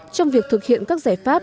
trong việc thực hiện các giải pháp